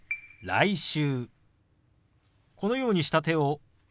「来週」。